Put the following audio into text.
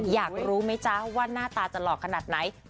อยากรู้ไหมจ๊ะว่าหน้าตาจะหล่อขนาดไหน